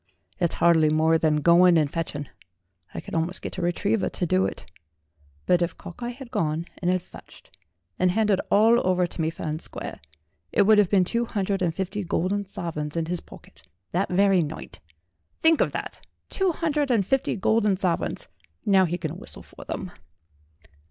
It's hardly more than going and fetching; I could almost get a retriever to do it. But if Cockeye had gone and had fetched, and handed all over to me fair and square, it would have been two hundred and fifty golden sovereigns in his pocket that very night. Think of that two hundred and fifty golden sovereigns. Now he can whistle for them."